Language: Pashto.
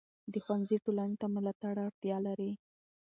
د ښوونځي ټولنې ته د ملاتړ اړتیا لري.